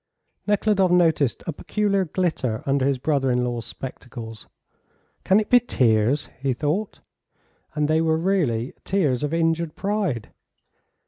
Nekhludoff noticed a peculiar glitter under his brother in law's spectacles. "Can it be tears?" he thought. And they were really tears of injured pride.